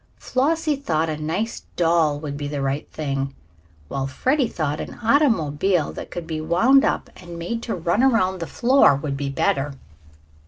Flossie thought a nice doll would be the right thing, while Freddie thought an automobile that could be wound up and made to run around the floor would be better.